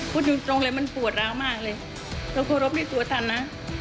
พูดจริงตรงเลยมันปวดร้าวมากเลยเรากรบในตัวท่านนะ